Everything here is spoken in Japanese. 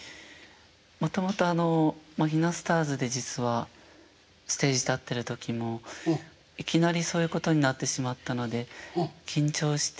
もともとマヒナスターズで実はステージ立ってる時もいきなりそういうことになってしまったので緊張してお酒を。